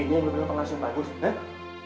ini yang lu bilang pengaruh yang bagus